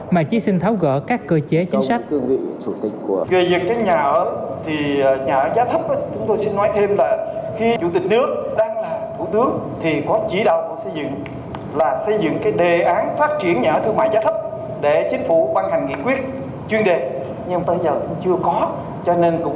mà chỉ xin tháo gỡ các cơ chế chính sách